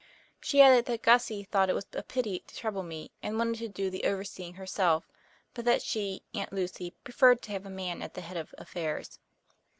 She added that "Gussie" thought it was a pity to trouble me, and wanted to do the overseeing herself, but that she Aunt Lucy preferred to have a man at the head of affairs.